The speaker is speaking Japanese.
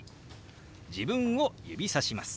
自分を指さします。